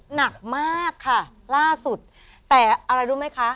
หนักมากครับ